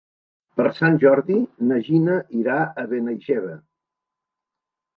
Per Sant Jordi na Gina irà a Benaixeve.